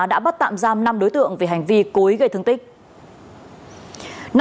đã bắt tạm giam năm đối tượng về hành vi cối gây thương tích